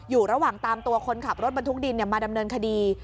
อยู่ระหว่างตามตัวคนขับรถบรรทุกดินมาดำเนินคดี